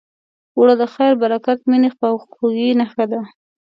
اوړه د خیر، برکت، مینې، خواخوږۍ نښه ده